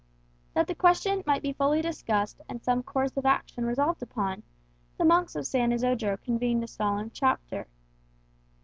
That the question might be fully discussed and some course of action resolved upon, the monks of San Isodro convened a solemn chapter.